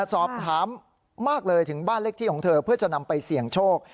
สอบถามมากเลยถึงบ้านเลขที่ของเธอเพื่อจะนำไปเสี่ยงโชค